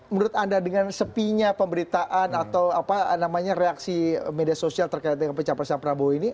menurut anda dengan sepinya pemberitaan atau apa namanya reaksi media sosial terkait dengan pencapresan prabowo ini